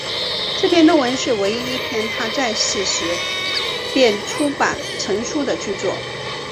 这篇论文是唯一一篇他在世时便已出版成书的着作。